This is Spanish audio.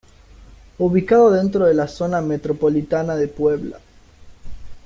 Ubicado dentro de la Zona Metropolitana de Puebla.